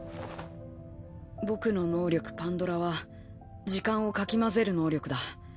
僕の能力「因果乱流」は時間をかき混ぜる能力だ。